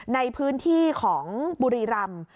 ในพื้นที่ของบุรีรำ